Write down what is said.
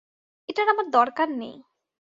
এটার আমার দরকার নেই।